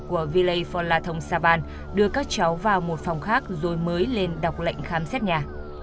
của villei phonla thong savan đưa các cháu vào một phòng khác rồi mới lên đọc lệnh khám xét nhà